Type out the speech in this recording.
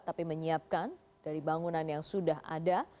tapi menyiapkan dari bangunan yang sudah ada